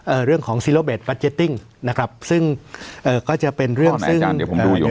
เอ่อเรื่องของนะครับซึ่งเอ่อก็จะเป็นเรื่องข้อไหนอาจารย์เดี๋ยวผมดูอยู่